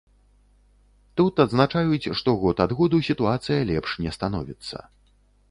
Тут адзначаюць, што год ад году сітуацыя лепш не становіцца.